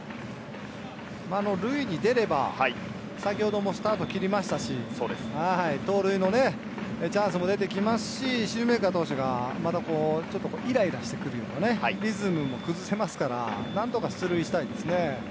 塁に出れば、先ほどもスタート切りましたし、盗塁のチャンスも出てきますし、シューメーカー投手がちょっとイライラしてくるような、リズムを崩せますから、何とか出塁したいですね。